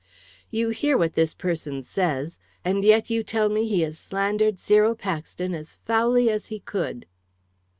"You hear what this person says. And yet you tell me he has slandered Cyril Paxton as foully as he could."